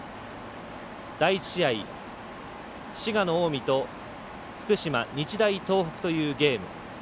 第１試合、滋賀の近江と福島、日大東北というゲーム。